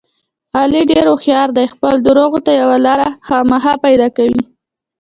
علي ډېر هوښیار دی خپلو درغو ته یوه لاره خامخا پیدا کوي.